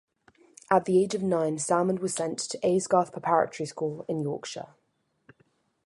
At the age of nine Salmond was sent to Aysgarth Preparatory School in Yorkshire.